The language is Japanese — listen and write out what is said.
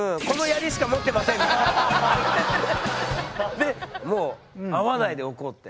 でもう会わないでおこうって。